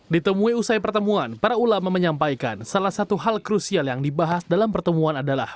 ditemui usai pertemuan para ulama menyampaikan salah satu hal krusial yang dibahas dalam pertemuan adalah